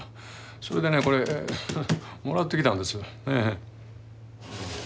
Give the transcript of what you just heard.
それでねこれもらってきたんです。